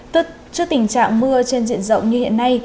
tức trước tình trạng mưa trên diện rộng như hiện nay